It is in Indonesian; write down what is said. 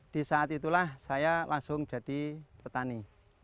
di saat itulah saya langsung jadi petani